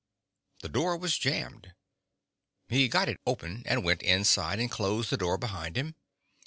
The door was jammed. He got it open and went inside and closed the door behind him.